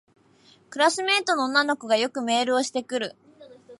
クラスメイトの女子がよくメールをしてくる